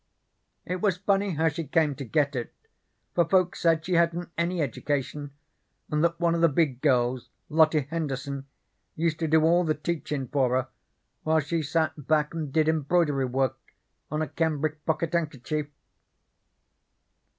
It was funny how she came to get it, for folks said she hadn't any education, and that one of the big girls, Lottie Henderson, used to do all the teachin' for her, while she sat back and did embroidery work on a cambric pocket handkerchief.